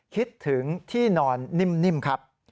คิดถึงที่นอนนิ่มครับ